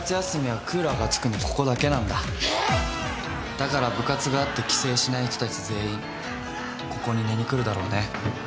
だから部活があって帰省しない人たち全員ここに寝に来るだろうね。